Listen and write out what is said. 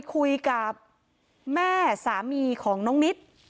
คุยกับแม่สามีของน้องนิด